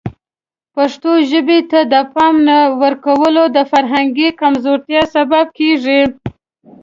پښتو ژبې ته د پام نه ورکول د فرهنګي کمزورتیا سبب کیږي.